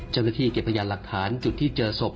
เจ้าหน้าที่เก็บพยานหลักฐานจุดที่เจอศพ